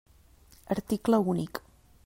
Article únic.